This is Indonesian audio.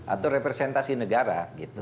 atau representasi negara